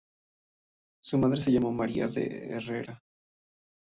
Su madre se llamó María de Herrera.